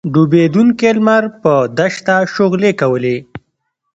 ډوبېدونکی لمر پر دښته شغلې کولې.